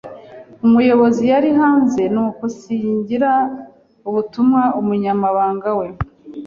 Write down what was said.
Umuyobozi yari hanze, nuko nsigira ubutumwa umunyamabanga we.